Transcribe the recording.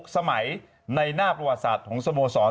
สมัยในหน้าประวัติศาสตร์ของสโมสร